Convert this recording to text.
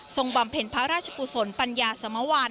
บำเพ็ญพระราชกุศลปัญญาสมวัล